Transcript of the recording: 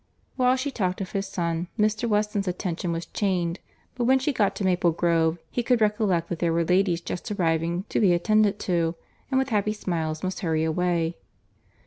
While she talked of his son, Mr. Weston's attention was chained; but when she got to Maple Grove, he could recollect that there were ladies just arriving to be attended to, and with happy smiles must hurry away.